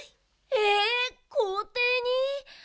えこうていに？